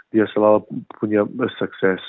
dia selalu punya sukses